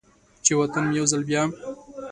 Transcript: چې و طن مې یو ځل بیا،